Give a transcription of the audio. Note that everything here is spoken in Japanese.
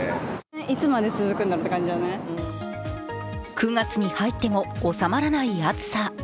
９月に入っても収まらない暑さ。